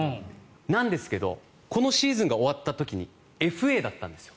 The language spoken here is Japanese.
なんですけどこのシーズンが終わった時にＦＡだったんですよ。